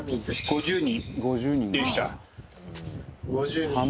５０人？